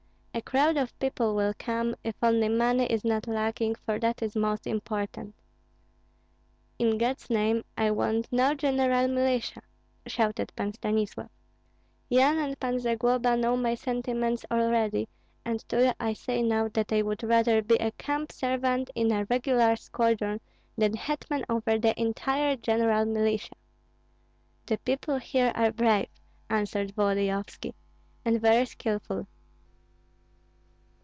A crowd of people will come, if only money is not lacking, for that is most important." "In God's name I want no general militia!" shouted Pan Stanislav. "Yan and Pan Zagloba know my sentiments already, and to you I say now that I would rather be a camp servant in a regular squadron than hetman over the entire general militia." "The people here are brave," answered Volodyovski, "and very skilful.